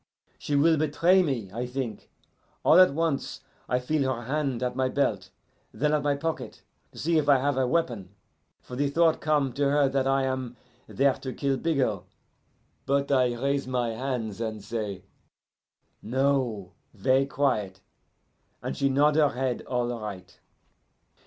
She will betray me, I think. All at once I feel her hand at my belt, then at my pocket, to see if I have a weapon; for the thought come to her that I am there to kill Bigot. But I raise my hands and say, 'No,' ver' quiet, and she nod her head all right.